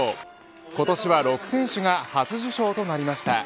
今年は６選手が初受賞となりました。